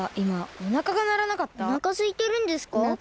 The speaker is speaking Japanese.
おなかすいてるんですか？